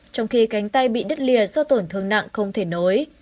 trong khi cánh tay bị đứt lìa do tổn thương nặng không thể nối